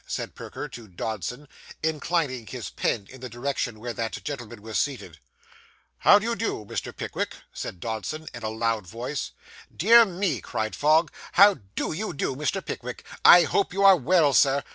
said Perker to Dodson, inclining his pen in the direction where that gentleman was seated. 'How do you do, Mr. Pickwick?' said Dodson, in a loud voice. 'Dear me,' cried Fogg, 'how do you do, Mr. Pickwick? I hope you are well, Sir.